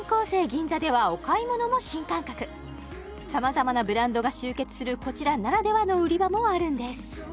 銀座ではお買い物も新感覚さまざまなブランドが集結するこちらならではの売り場もあるんです